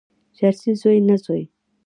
چرسي زوی، نه زوی.